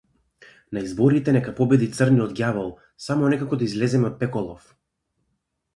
На изборите нека победи црниот ѓавол, само некако да излеземе од пеколов!